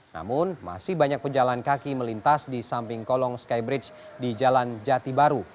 namun masih banyak pejalan kaki melintas di samping kolong skybridge di jalan jati baru